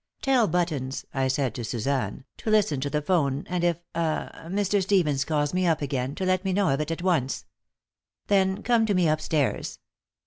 "Tell Buttons," I said to Suzanne, "to listen to the 'phone, and if ah Mr. Stevens calls me up again, to let me know of it at once. Then come to me up stairs.